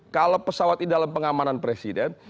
kalau pesawat ini dalam pengamanan presiden